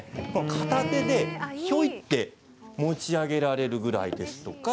片手でひょいっと持ち上げられるぐらいです。